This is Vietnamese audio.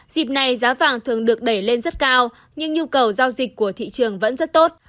dịp này giá vàng thường được đẩy lên rất cao nhưng nhu cầu giao dịch của thị trường vẫn rất tốt